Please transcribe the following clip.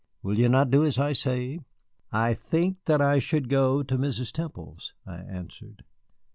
"Will you not do as I say?" "I think that I should go to Mrs. Temple's," I answered.